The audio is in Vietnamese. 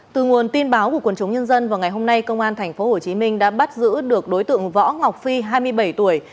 từ nguồn tin báo của quần chúng nhân dân vào ngày hôm nay công an tp hcm đã bắt giữ được đối tượng võ ngọc phi hai mươi bảy tuổi